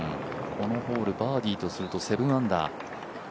このホール、バーディーとすると７アンダー。